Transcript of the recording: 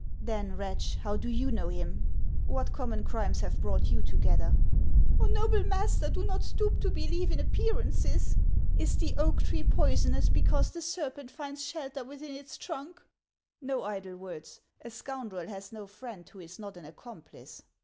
" Then, wretch, how do you know him ? What common crimes have brought you together ?"" Oh, noble master, do not stoop to believe in appear ances. Is the oak tree poisonous because the serpent finds shelter within its trunk ?"" Xo idle words ! A scoundrel has no friend who is not an accomplice."